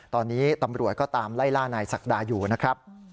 ตอนนี้ตำรวจก็ตามไล่ล่านายศักดาอยู่นะครับ